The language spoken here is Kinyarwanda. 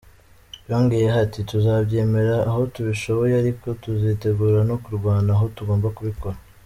Yongeyeho ati: "Tuzabyemera aho tubishoboye ariko tuzitegura no kurwana aho tugomba kubikora.